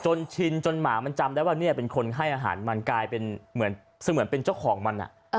ชินจนหมามันจำได้ว่าเนี่ยเป็นคนให้อาหารมันกลายเป็นเหมือนเสมือนเป็นเจ้าของมัน